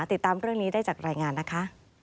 ติดตามเรื่องนี้ได้จากรายงานนะคะ